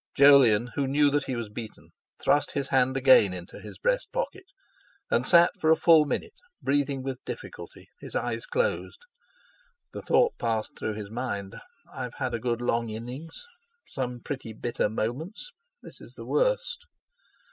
Jolyon, who knew that he was beaten, thrust his hand again into his breast pocket, and sat for a full minute, breathing with difficulty, his eyes closed. The thought passed through his mind: 'I've had a good long innings—some pretty bitter moments—this is the worst!'